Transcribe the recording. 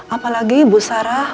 apalagi bu sarah